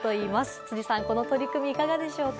辻さん、この取り組みいかがですか？